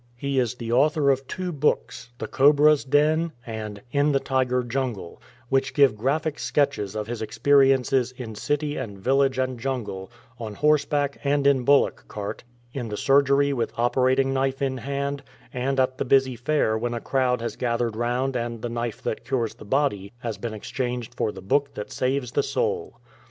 He is the author of two books. The Cobras Den and In the Tiger Jungle^ which give graphic sketches of his experiences in city and village and jungle, on horseback and in bullock cart, in the surgery with operating knife in hand, and at the busy fair when a crowd has gathered round and the knife that cures the body has been exchanged for the Book that saves the soul.